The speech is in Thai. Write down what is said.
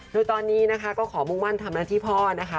โดยตอนนี้นะคะก็ขอมุ่งมั่นทำหน้าที่พ่อนะคะ